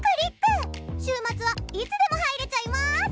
週末はいつでも入れちゃいまーす！